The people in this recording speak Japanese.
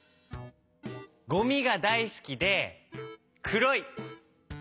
ゴミがだいすきでくろい。